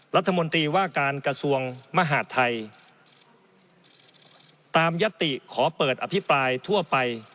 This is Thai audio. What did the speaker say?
รัฐมนตรีว่าการกระทรวงมหาดไทยตามยติขอเปิดอภิปรายทั่วไป